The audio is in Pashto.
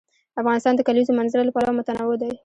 افغانستان د د کلیزو منظره له پلوه متنوع دی.